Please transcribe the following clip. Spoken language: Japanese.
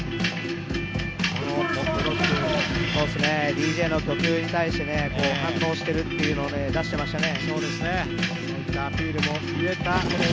ＤＪの曲に対して反応しているというのを出してましたね。